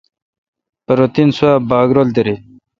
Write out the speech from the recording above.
پرو تین سواب باگ رل دارل۔